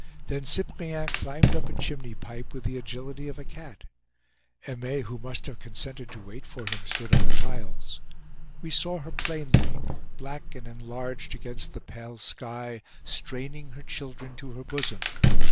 Then Cyprien climbed up a chimney pipe, with the agility of a cat. Aimee, who must have consented to wait for him, stood on the tiles. We saw her plainly, black and enlarged against the pale sky, straining her children to her bosom.